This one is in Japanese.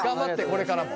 これからも。